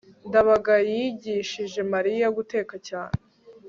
ndabaga yigishije mariya guteka cyane